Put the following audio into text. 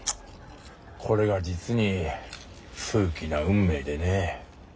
これが実に数奇な運命でね。